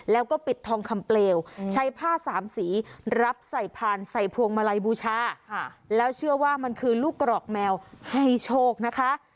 แล้วก็ปิดทองคำเปลวใช้ผ้าสามสีรับใส่ผ่านใส่พวงมาลัยบูชาแล้วเชื่อว่ามันคือลูกกรอกแมวให้โชคนะคะ